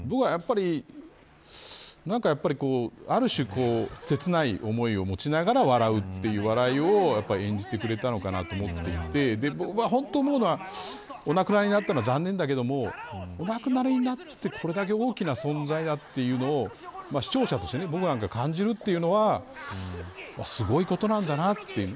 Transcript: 僕は、やっぱりある種、切ない思いを持ちながら笑うという笑いを演じてくれたのかなと思っていて僕が本当に思うのはお亡くなりになったのは残念だけど、お亡くなりになってこれだけ大きな存在だっていうのを視聴者として僕なんかが感じるというのはすごいことなんだなと。